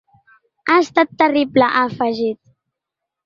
Ha estat terrible, ha afegit.